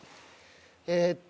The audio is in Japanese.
えーっと。